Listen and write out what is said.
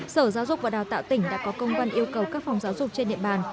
sở giáo dục và đào tạo tỉnh đã có công văn yêu cầu các phòng giáo dục trên địa bàn